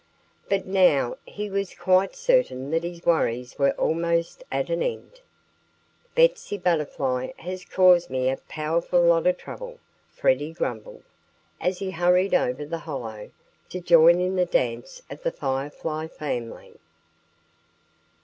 But now he was quite certain that his worries were almost at an end. "Betsy Butterfly has caused me a powerful lot of trouble!" Freddie grumbled, as he hurried over the hollow, to join in the dance of the Firefly family.